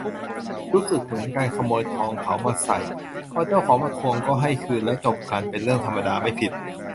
รู้สึกเหมือน การขโมยทองเขามาใส่ พอเจ้าของมาทวงก็ให้คืนแล้วจบกันเป็นเรื่องธรรมดา ไม่ผิด